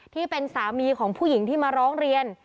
ที่เป็นสามีของผู้หญิงที่มาร้องเรียน